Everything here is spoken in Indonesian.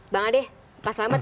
bang adeh pak selamet